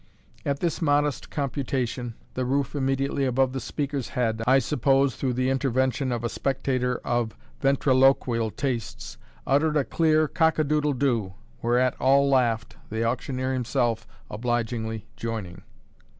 At this modest computation the roof immediately above the speaker's head (I suppose, through the intervention of a spectator of ventriloquial tastes) uttered a clear "Cock a doodle doo!" whereat all laughed, the auctioneer himself obligingly joining.